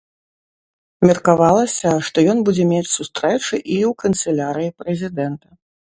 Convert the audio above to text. Меркавалася, што ён будзе мець сустрэчы і ў канцылярыі прэзідэнта.